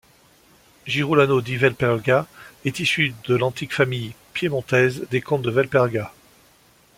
Girolamo di Valperga, est issu de l'antique famille piémontaise des comtes de Valperga.